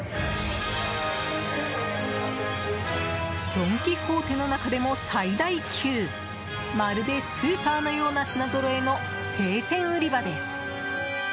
ドン・キホーテの中でも最大級まるでスーパーのような品ぞろえの生鮮売り場です。